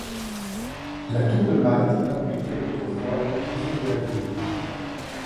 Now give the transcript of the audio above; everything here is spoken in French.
La tour de Malte abritait autrefois la prison de la ville.